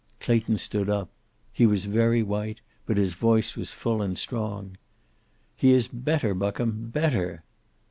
Clayton stood up. He was very white, but his voice was full and strong. "He is better, Buckham! Better!"